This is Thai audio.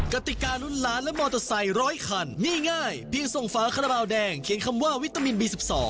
กติการุ้นล้านและมอเตอร์ไซค์๑๐๐คันนี่ง่ายเพียงส่งฝาคาราบาลแดงเขียนคำว่าวิตามินบี๑๒